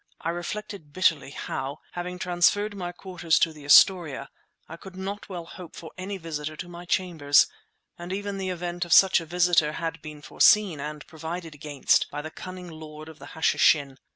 I reflected bitterly how, having transferred my quarters to the Astoria, I could not well hope for any visitor to my chambers; and even the event of such a visitor had been foreseen and provided against by the cunning lord of the Hashishin.